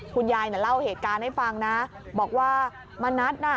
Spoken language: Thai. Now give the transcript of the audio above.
คุณยายน่ะเล่าเหตุการณ์ให้ฟังนะบอกว่ามณัฐน่ะ